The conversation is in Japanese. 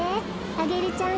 アゲルちゃん